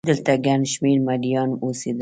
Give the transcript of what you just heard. دلته ګڼ شمېر مریان اوسېدل